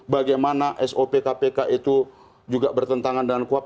bagaimana sop kpk itu juga bertentangan dengan kuap